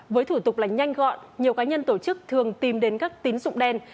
với thủ tục là nhanh gọn nhiều cá nhân tổ chức thường tìm đến các tín dụng đen